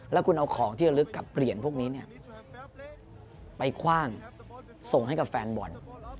แล้วคุณเอาของที่ลึกกับเที่ยวลึกพวกนี้เนี่ยไปคว่างส่งให้กับแฟนบ่อน